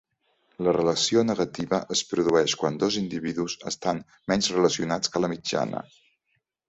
La relació negativa es produeix quan dos individus estan menys relacionats que la mitjana.